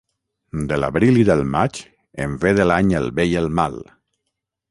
De l'abril i del maig en ve de l'any el bé i el mal.